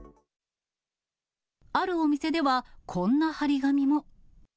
あるお店では、こんな貼り紙も。